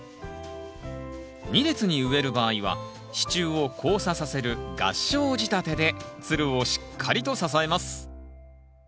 ２列に植える場合は支柱を交差させる合掌仕立てでつるをしっかりと支えます。